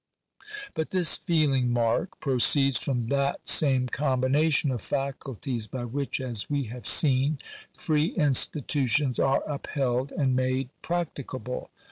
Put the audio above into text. But this feeling, mark, proceeds from that same combination of faculties by which, as we have seen, free institutions are upheld and made practicable.